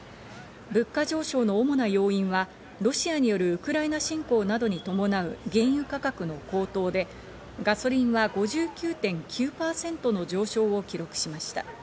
物価上昇の主な要因はロシアによるウクライナ侵攻などに伴う原油価格の高騰でガソリンは５９．９％の上昇を記録しました。